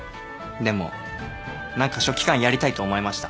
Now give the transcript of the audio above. でも何か書記官やりたいと思えました。